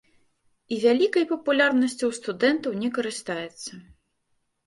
І вялікай папулярнасцю ў студэнтаў не карыстаецца.